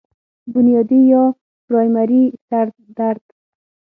بنيادي يا پرائمري سر درد